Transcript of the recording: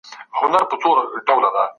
له ماتو او ګوډو خبرو ډډه وکړئ.